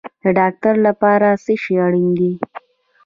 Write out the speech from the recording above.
د ډاکټر لپاره څه شی اړین دی؟